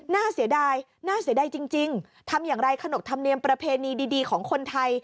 น่าเสียดายน่าเสียดายจริงทำอย่างไรขนบธรรมเนียมประเพณีดีของคนไทย